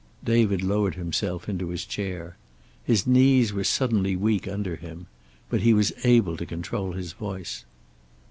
David lowered himself into his chair. His knees were suddenly weak under him. But he was able to control his voice.